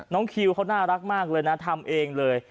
คิวเขาน่ารักมากเลยนะทำเองเลย